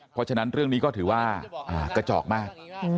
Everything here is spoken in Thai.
เพราะฉะนั้นเรื่องนี้ก็ถือว่ากระจอกมาก